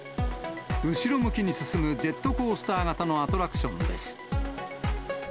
後ろ向きに進むジェットコースター型のアトラクションです。